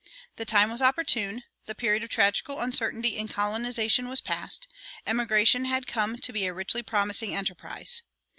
The time was opportune; the period of tragical uncertainty in colonization was past; emigration had come to be a richly promising enterprise.